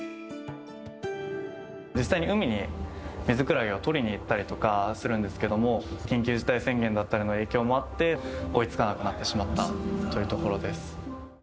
実際に海にミズクラゲを取りに行ったりとかするんですけども、緊急事態宣言だったりの影響もあって、追いつかなくなってしまったというところです。